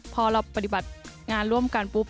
พอเราปฏิบัติงานร่วมกันปุ๊บ